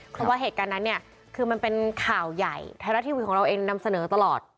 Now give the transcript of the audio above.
เพราะว่าเหตุการณ์นั้นเนี่ยคือมันเป็นข่าวใหญ่ไทยรัฐทีวีของเราเองนำเสนอตลอด